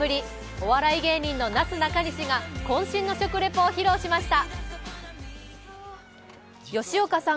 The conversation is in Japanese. お笑い芸人のなすなかにしがこん身の食リポを披露しました。